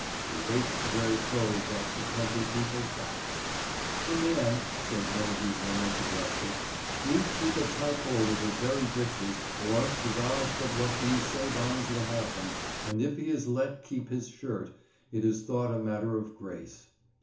They raped the very clothes off the country people's backs. "A man," says one of these lamenting rustics, "need keep a tight hold of his very breeches, or 'tis odds but what these Sabines will have them, and if he is let keep his shirt, it is thought a matter of grace."